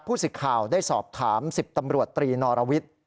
ผู้ศิกขาวได้สอบถาม๑๐ตำรวจตรีนรวิต